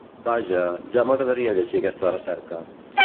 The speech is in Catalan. Vaja, ja m’agradaria llegir aquesta recerca!